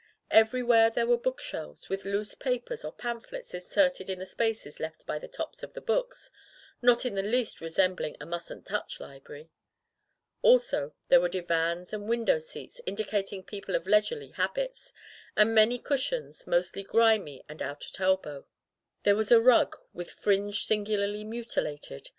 Everywhere there were book shelves, with loose papers or pamphlets inserted in the spaces left by the tops of the books — ^not in the least resem bling a "mustn't touch*' library. Also there were divans and window seats, indicating people of leisurely habits, and many cush ions, mostly grimy and out at elbow. There was a rug, with fringe singularly mutilated.